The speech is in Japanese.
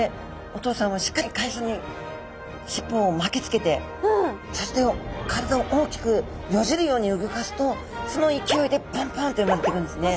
お父さんはしっかり海藻にしっぽを巻きつけてそして体を大きくよじるように動かすとその勢いでポンポンって産まれてくるんですね。